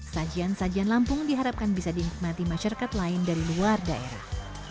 sajian sajian lampung diharapkan bisa dinikmati masyarakat lain dari luar daerah